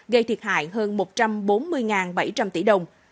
gây thiệt hại hơn một trăm bốn mươi bảy trăm linh tỷ đồng